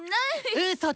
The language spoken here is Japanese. うそだね！